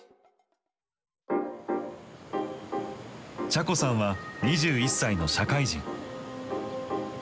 ちゃこさんは２１歳の社会人。